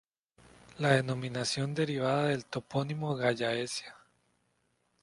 La denominación deriva del topónimo Gallaecia.